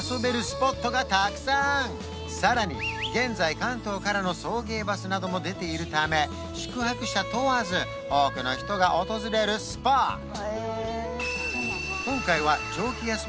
スポットがたくさんさらに現在関東からの送迎バスなども出ているため宿泊者問わず多くの人が訪れるスポット